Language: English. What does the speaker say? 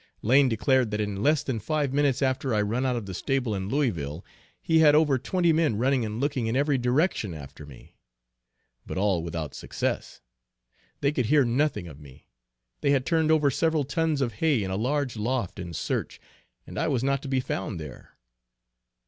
Lane declared that in less than five minutes after I run out of the stable in Louisville, he had over twenty men running and looking in every direction after me; but all without success. They could hear nothing of me. They had turned over several tons of hay in a large loft, in search, and I was not to be found there.